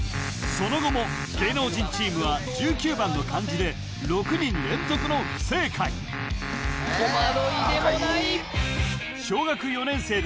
その後も芸能人チームは１９番の漢字で６人連続の不正解とまどいでもない